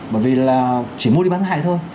bởi vì là chỉ mua đi bán hai thôi